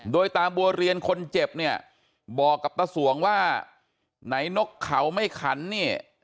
โดยตาบัวเรียนคนเจ็บเนี่ยบอกกับตาสวงว่าไหนนกเขาไม่ขันเนี่ย